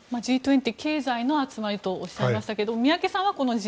Ｇ２０、経済の集まりとおっしゃいましたが宮家さんは、このＧ２０